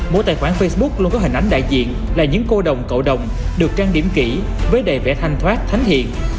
mỗi tài khoản facebook luôn có hình ảnh đại diện là những cô đồng cậu đồng được trang điểm kỹ với đầy vẽ thanh thoát thánh hiền